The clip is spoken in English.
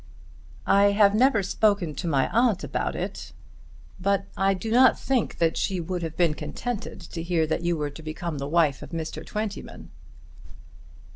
"I have never spoken to my aunt about it, but I do not think that she would have been contented to hear that you were to become the wife of Mr. Twentyman."